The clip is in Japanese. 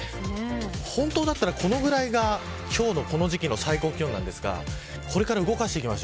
本当だったらこのぐらいが今日のこの時期の最高気温ですがこれから動かしていきます。